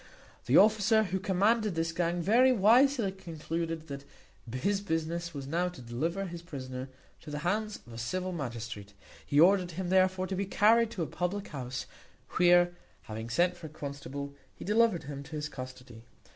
The officer who commanded this gang very wisely concluded that his business was now to deliver his prisoner into the hands of the civil magistrate. He ordered him, therefore, to be carried to a public house, where, having sent for a constable, he delivered him to his custody.